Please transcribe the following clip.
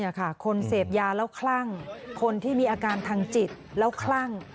นี่ค่ะคนเสพยาแล้วคลั่งคนที่มีอาการทางจิตแล้วคลั่ง